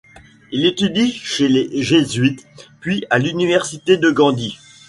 Il étudie chez les jésuites puis à l'université de Gandie.